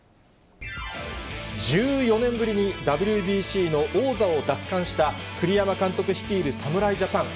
１４年ぶりにＷＢＣの王座を奪還した、栗山監督率いる侍ジャパン。